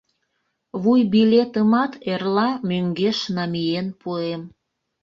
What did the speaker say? Вуйбилетымат эрла мӧҥгеш намиен пуэм.